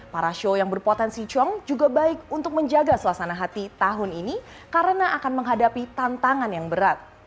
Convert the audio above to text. para show yang berpotensi cong juga baik untuk menjaga suasana hati tahun ini karena akan menghadapi tantangan yang berat